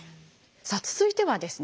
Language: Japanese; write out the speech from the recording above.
さあ続いてはですね